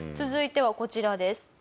続いてはこちらです。